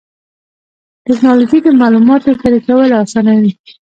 ټکنالوجي د معلوماتو شریکول اسانوي.